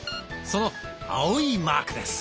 その青いマークです。